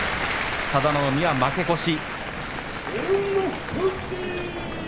佐田の海は負け越し。